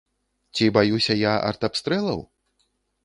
Ці баюся я артабстрэлаў?